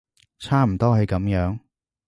差唔多係噉樣